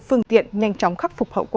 phương tiện nhanh chóng khắc phục hậu quả